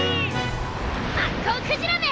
マッコウクジラめ！